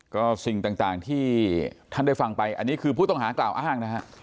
ก็สิ่งต่างที่ท่านได้ฟังไปอันนี้คือผู้ต้องหากล่าวอ้างนะฮะ